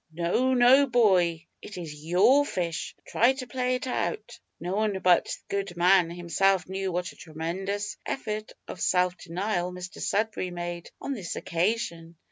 "No, no, boy; it is your fish; try to play it out." No one but the good man himself knew what a tremendous effort of self denial Mr Sudberry made on this occasion.